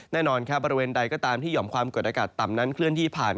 แน่นอนครับบริเวณใดก็ตามที่หอมความกดอากาศต่ำนั้นเคลื่อนที่ผ่าน